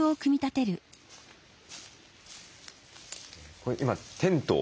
これ今テントを？